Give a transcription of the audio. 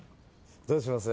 どうします？